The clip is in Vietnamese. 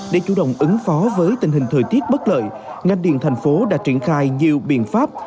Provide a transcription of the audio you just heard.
để chủ động ứng phó với tình hình thời tiết bất lợi ngành điện thành phố đã triển khai nhiều biện pháp